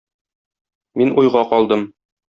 Мин уйга калдым.